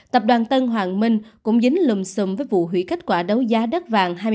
tập đoàn tân hoàng minh cũng dính lùm xùm với vụ hủy kết quả đấu giá đất vàng